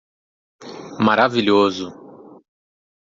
Maravilhoso